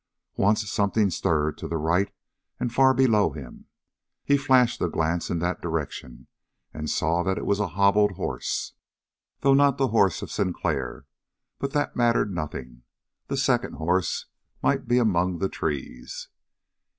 Once something stirred to the right and far below him. He flashed a glance in that direction and saw that it was a hobbled horse, though not the horse of Sinclair; but that mattered nothing. The second horse might be among the trees.